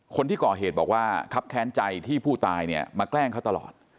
คนที่ก่อเหตุบอกว่าครับแค้นใจที่ผู้ตายเนี่ยมาแกล้งเขาตลอด